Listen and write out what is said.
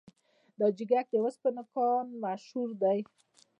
د حاجي ګک د وسپنې کان مشهور دی